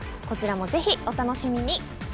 こちらもぜひお楽しみに。